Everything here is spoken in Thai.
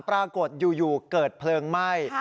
ปรากฏอยู่เกิดเพลิงไหม้